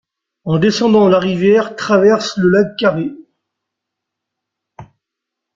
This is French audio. En descendant, la rivière traverse le lac Carré.